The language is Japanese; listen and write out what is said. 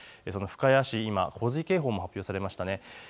深谷市、今、洪水警報も発表されました。